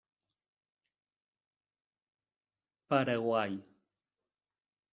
Paraguai.